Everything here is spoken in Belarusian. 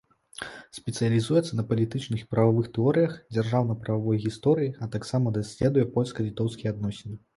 Спецыялізуецца на палітычных і прававых тэорыях дзяржаўна-прававой гісторыі, а таксама даследуе польска-літоўскія адносіны.